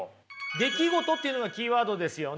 「出来事」というのがキーワードですよね。